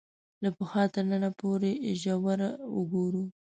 له پخوا تر ننه پورې ژوره وګورو